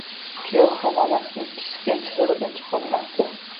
Kuyov ham onasining chizgan chizig`idan chiqolmasdi